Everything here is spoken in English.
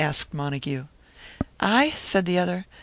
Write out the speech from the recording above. asked Montague. "I?" said the other.